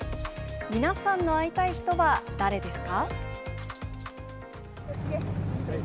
皆さんの会いたい人は誰ですか。